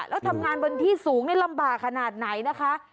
แล้วทำงานบนที่สูงนี่ลำบากขนาดไหนนะคะ